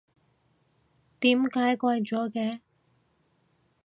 點解貴咗嘅？